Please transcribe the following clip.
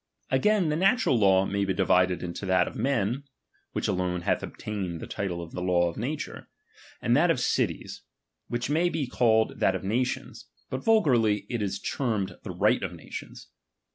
Again, the natural law may be divided into that of men, which alone hath obtained the title of the law of nature ; j^nd (hat of cities, which n? BOMINION. called that of nations, but vulgarly it is termed chap. the right of nations.